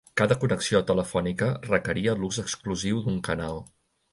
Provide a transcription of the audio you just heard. Cada connexió telefònica requeria l'ús exclusiu d'un canal.